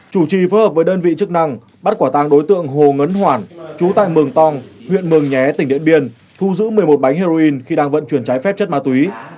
chủ trì phối hợp với đơn vị chức năng bắt quả tang đối tượng hồ ngân hoàn chú tại mường tong huyện mường nhé tỉnh điện biên thu giữ một mươi một bánh heroin khi đang vận chuyển trái phép chất ma túy